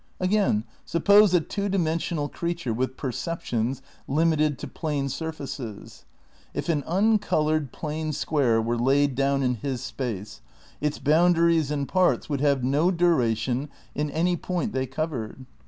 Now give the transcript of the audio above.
Again, suppose a two dimensional creature with per ceptions limited to plane surfaces. If an uncoloured plane square were laid down in his space, its boun daries and parts would have no duration in any point they covered.